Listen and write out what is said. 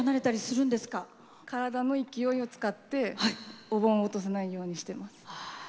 体の勢いを使ってお盆を落とさないようにしてます。